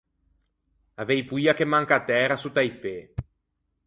Avei poia che manche a tæra sotto a-i pê.